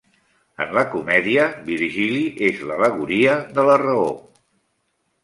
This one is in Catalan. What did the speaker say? En la comèdia, Virgili és l'al·legoria de la raó.